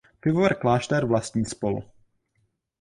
Pivovar Klášter vlastní spol.